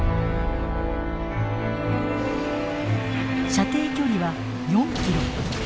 射程距離は４キロ。